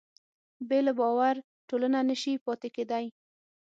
بې له باور ټولنه نهشي پاتې کېدی.